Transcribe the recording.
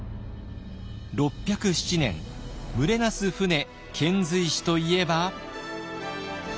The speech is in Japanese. ６０７年「群れなす船遣隋使」といえば。